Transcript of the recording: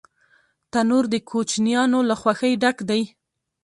تنور د کوچنیانو له خوښۍ ډک دی